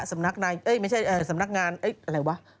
สำนักงานอะไรวะ